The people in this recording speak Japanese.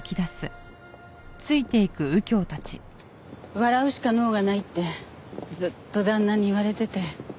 笑うしか能がないってずっと旦那に言われてて。